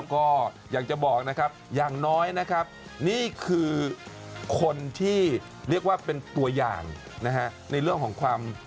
ขอบคุณครับขอบคุณครับขอบคุณครับ